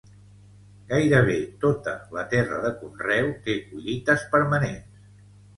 Gairebé tota la terra de conreu té collites permanents.